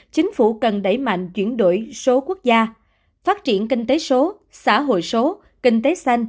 chính phủ cần đẩy mạnh chuyển đổi số quốc gia phát triển kinh tế số xã hội số